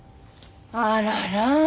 あらら。